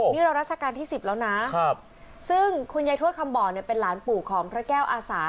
นี่เรารัชกาลที่๑๐แล้วนะซึ่งคุณยายทวดคำบ่อเนี่ยเป็นหลานปู่ของพระแก้วอาสา